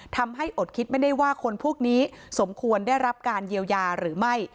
อดคิดไม่ได้ว่าคนพวกนี้สมควรได้รับการเยียวยาหรือไม่